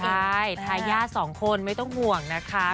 ใช่ทายาทสองคนไม่ต้องห่วงนะคะ